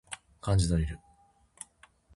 漢字ドリル